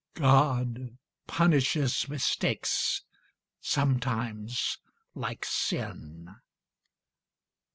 (God punishes mistakes sometimes like sin.)